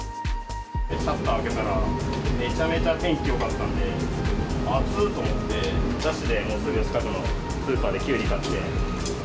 シャッター開けたら、めちゃめちゃ天気よかったんで、暑っ！と思って、ダッシュでもうすぐ近くのスーパーできゅうり買って。